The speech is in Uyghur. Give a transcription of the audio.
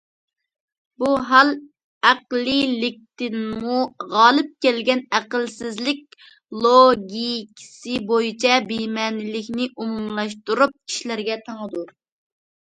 بۇ ھال ئەقلىيلىكتىنمۇ غالىپ كەلگەن ئەقىلسىزلىك لوگىكىسى بويىچە بىمەنىلىكنى ئومۇملاشتۇرۇپ كىشىلەرگە تاڭىدۇ.